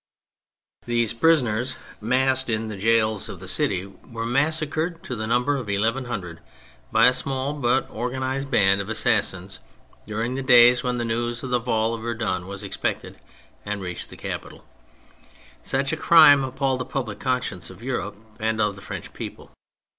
These prisoners, massed in the lails of the 120 THE FRENCH REVOLUTION city, were massacred to the number of eleven hundred by a small but organised band of assassins during the days when the news of the fall of Verdun w^as expected and reached the capital. Such a crime appalled the public con science of Europe and of the French people.